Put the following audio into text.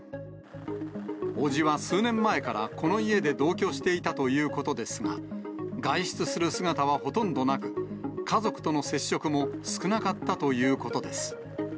伯父は数年前からこの家で同居していたということですが、外出する姿はほとんどなく、家族との接触も少なかったということです。